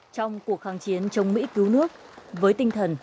trong cuộc kháng chiến chống mỹ cứu nước với tinh thần